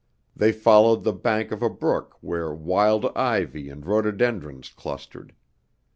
They followed the bank of a brook where wild ivy and rhododendrons clustered.